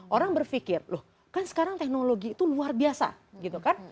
orang berpikir loh kan sekarang teknologi itu luar biasa gitu kan